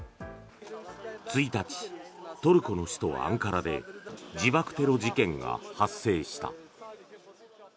１日、トルコの首都アンカラで自爆テロ事件が発生した。